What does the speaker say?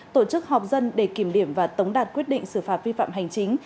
tổ chức họp dân để kiểm điểm và tống đạt quyết định xử phạt vi phạm hành chính